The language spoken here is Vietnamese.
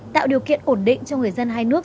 tạo điều kiện ổn định cho người dân hai nước